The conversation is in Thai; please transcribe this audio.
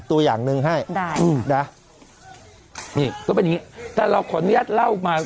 ตัวอย่างหนึ่งให้ได้อืมนะนี่ก็เป็นอย่างงี้แต่เราขออนุญาตเล่ามา